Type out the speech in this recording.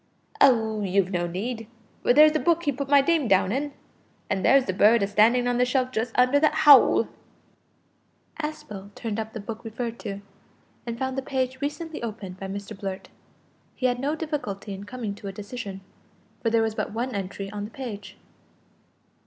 "Oh! you've no need, for there's the book he put my name down in, an' there's the bird a standin' on the shelf just under the howl." Aspel turned up the book referred to, and found the page recently opened by Mr Blurt. He had no difficulty in coming to a decision, for there was but one entry on the page.